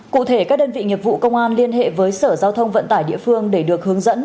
cụ thể các đơn vị nghiệp vụ công an liên hệ với sở giao thông vận tải địa phương để được hướng dẫn